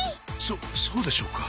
そそうでしょうか？